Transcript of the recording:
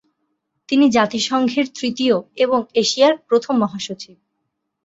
তিনি জাতিসংঘের তৃতীয় এবং এশিয়ার প্রথম মহাসচিব।